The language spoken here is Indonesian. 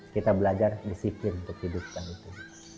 kita belajar kalau di sipin untuk hidupkan itu